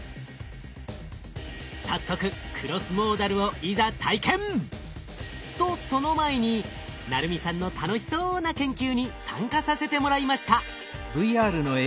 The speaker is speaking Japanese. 早速クロスモーダルをいざ体験！とその前に鳴海さんの楽しそうな研究に参加させてもらいました。